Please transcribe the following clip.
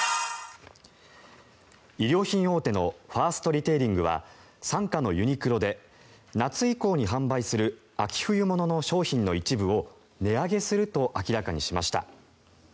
衣料品大手のファーストリテイリングは傘下のユニクロで夏以降に販売する秋冬物の商品の一部を値上げすると明らかにしました。